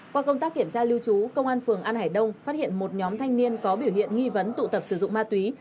qua công tác kiểm tra lưu trú công an phường an hải đông phát hiện một nhóm thanh niên có biểu hiện nghi vấn tụ tập sử dụng ma túy